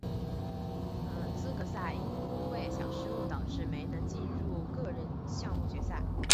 资格赛因为小失误导致没能进入个人项目决赛。